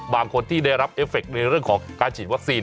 บางคนที่ได้รับเอฟเฟคในเรื่องของการฉีดวัคซีน